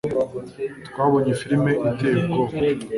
Twabonye firime iteye ubwoba.